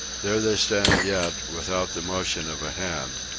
There they stand yet, without the motion of a hand.